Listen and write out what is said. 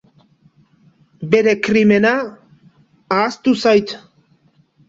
Bere krimena ahaztu zait.